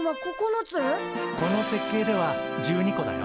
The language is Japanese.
この設計では１２個だよ。